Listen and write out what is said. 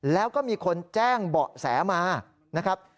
แล้วก็มีคนแจ้งเบาะแสมานะครับ